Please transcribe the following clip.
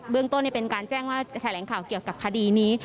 เรื่องต้นเป็นการแจ้งว่าจะแถลงข่าวเกี่ยวกับคดีนี้